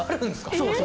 そうそう。